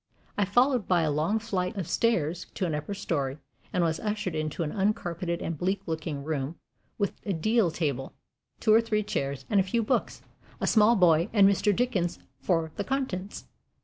I followed by a long flight of stairs to an upper story, and was ushered into an uncarpeted and bleak looking room, with a deal table, two or three chairs and a few books, a small boy and Mr. Dickens for the contents.